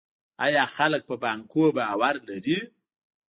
آیا خلک په بانکونو باور لري؟